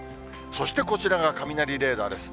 そしてこちらが雷レーダーです。